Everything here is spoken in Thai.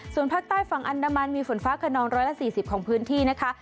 ส่วนภาคใต้ฝั่งอันดามันมีฝนฟ้าขนอง๑๔๐ของพื้นที่นะคะ